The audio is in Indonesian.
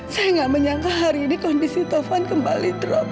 saya nggak menyangka hari ini kondisi tovan kembali drop